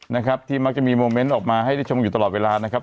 นะครับที่มักจะมีโมเมนต์ออกมาให้ได้ชมอยู่ตลอดเวลานะครับ